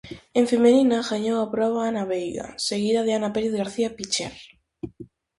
En feminina gañou a proba Ana Veiga, seguida de Ana Pérez García-Picher.